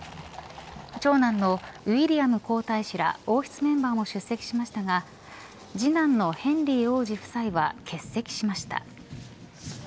長男のウィリアム皇太子ら王室メンバーも出席しましたが次男のヘンリー王子夫妻は欠席しました。